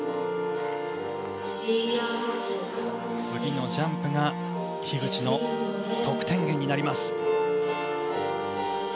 次のジャンプが得点源になります。